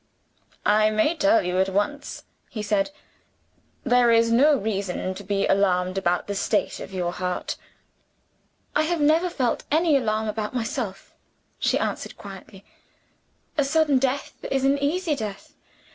"I may tell you at once," he said "there is no reason to be alarmed about the state of your heart." "I have never felt any alarm about myself," she answered quietly. "A sudden death is an easy death.